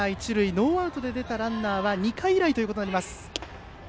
ノーアウトで出たランナーは２回以来となります。